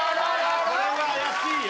これは怪しいよ。